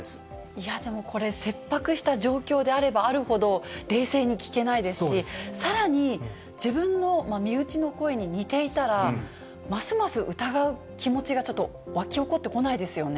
いやでも、これ、切迫した状況であればあるほど、冷静に聞けないですし、さらに自分の身内の声に似ていたら、ますます疑う気持ちがちょっと湧き起こってこないですよね。